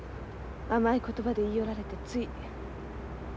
甘い言葉で言い寄られてつい。